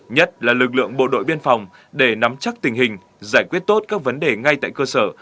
nhất là lực lượng bộ đội biên phòng để nắm chắc tình hình giải quyết tốt các vấn đề ngay tại cơ sở